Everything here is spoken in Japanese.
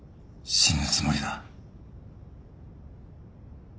死ぬつもりだ。